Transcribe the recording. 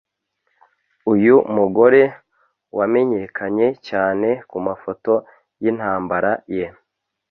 uyu mugore wamenyekanye cyane kumafoto yintambara ye